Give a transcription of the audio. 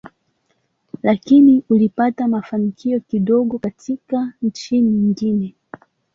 Lakini ulipata mafanikio kidogo katika nchi nyingine.